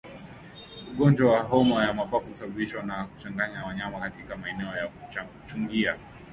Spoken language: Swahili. Ugonjwa wa homa ya mapafu husababishwa na kuchanganya wanyama katika maeneo ya kuchungia